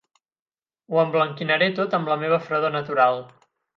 Ho emblanquinaré tot amb la meva fredor natural.